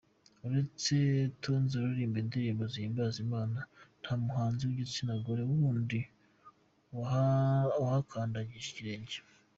Uretse Tonzi uririmba indirimbo zihimbaza Imana nta muhanzi w’igitsinagore wundi wahakandagije ikirenge.